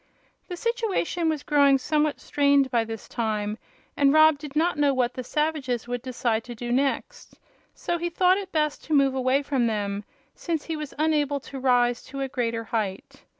The situation was growing somewhat strained by this time, and Rob did not know what the savages would decide to do next; so he thought it best to move away from them, since he was unable to rise to a greater height.